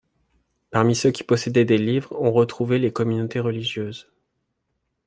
Parmi ceux qui possédaient des livres on retrouvait les communautés religieuses.